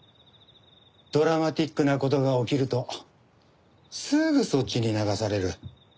ドラマチックな事が起きるとすぐそっちに流される。